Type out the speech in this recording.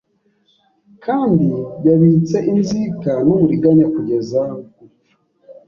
Kandi yabitse inzika n'uburiganya kugeza gupfa